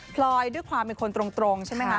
พลอยด้วยความเป็นคนตรงใช่ไหมคะ